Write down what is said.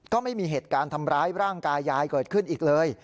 ก็ไม่มีเหตุการณ์ทำร้ายร่างกายยายเกิดขึ้นอีกเลย